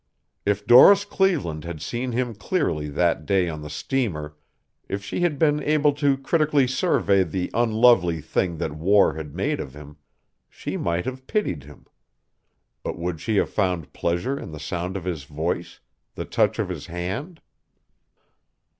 If Doris Cleveland had seen him clearly that day on the steamer, if she had been able to critically survey the unlovely thing that war had made of him, she might have pitied him. But would she have found pleasure in the sound of his voice, the touch of his hand?